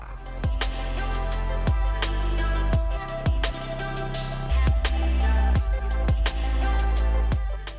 keberhasilan guru untuk mencapai jumlah dua